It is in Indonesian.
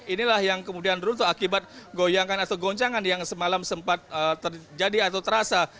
inilah yang kemudian runtuh akibat goyangan atau goncangan yang semalam sempat terjadi atau terasa